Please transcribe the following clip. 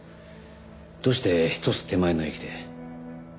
どうして１つ手前の駅で？